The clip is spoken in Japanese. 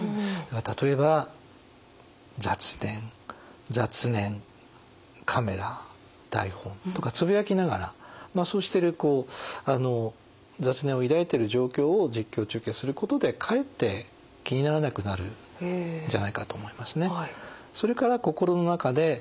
例えば「雑念雑念カメラ台本」とかつぶやきながらまあそうしてるこう雑念を抱いてる状況を実況中継することでかえって気にならなくなるんじゃないかと思いますね。